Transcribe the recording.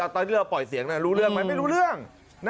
ตอนที่เราปล่อยเสียงรู้เรื่องไหมไม่รู้เรื่อง